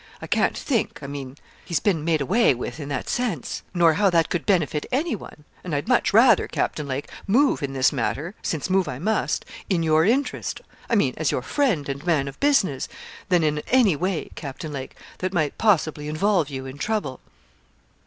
I can't think, I mean, he's been made away with in that sense; nor how that could benefit anyone; and I'd much rather, Captain Lake, move in this matter since move I must in your interest I mean, as your friend and man of business than in any way, Captain Lake, that might possibly involve you in trouble.'